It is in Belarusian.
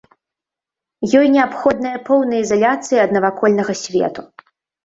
Ёй неабходная поўная ізаляцыя ад навакольнага свету.